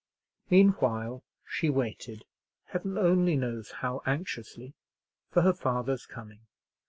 Meanwhile she waited, Heaven only knows how anxiously, for her father's coming.